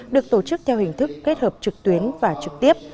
được tổ chức theo hình thức kết hợp trực tuyến và trực tiếp